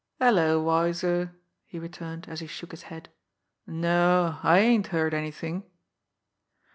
"Hello, Wowzer!" he returned, as he shook his head. "No, I ain't heard anything."